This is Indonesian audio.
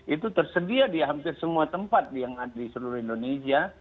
itu tersedia di hampir semua tempat di seluruh indonesia